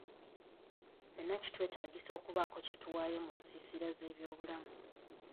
Ffenna kitwetaagisa okubaako kye tuwaayo mu nsiisira z'ebyobulamu.